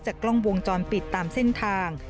กล้องวงจรปิดตามเส้นทาง